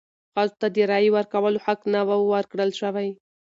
ښځو ته د رایې ورکولو حق نه و ورکړل شوی.